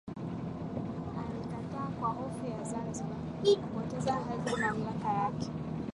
Alikataa kwa hofu ya Zanzibar kupoteza hadhi na mamlaka yake